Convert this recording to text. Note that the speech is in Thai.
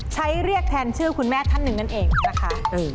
ใช้เรียกแทนชื่อคุณแม่ท่านหนึ่งนั่นเองนะคะ